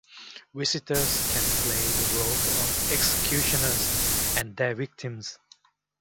Visitors can play the role of executioners and their victims.